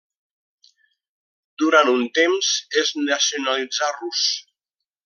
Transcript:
Durant un temps es nacionalitzà rus.